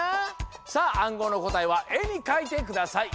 さああんごうのこたえはえにかいてください。